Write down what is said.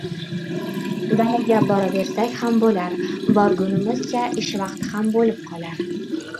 — Dalaga boraversak ham bo‘lar, borgunimizcha ish vaqti ham bo‘lib qolar?